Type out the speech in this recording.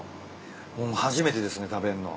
もう初めてですね食べんの。